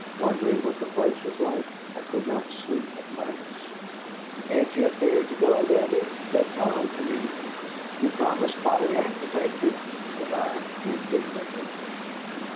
Wondering what the place was like, I could not sleep of nights. "Ain't you afeerd to go, Davy?" said Tom to me. "You promised Polly Ann to take me," said I, indignantly.